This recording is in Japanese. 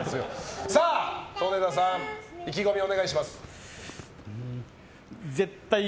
利根田さん意気込みをお願いします。